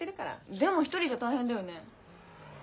でも１人じゃ大変だよね？